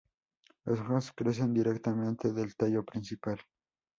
Las hojas crecen directamente del tallo principal.